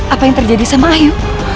apa yang terjadi sama ayu